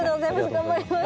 頑張ります。